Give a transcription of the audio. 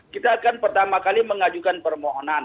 kita akan pertama kali mengajukan permohonan